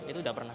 itu sudah pernah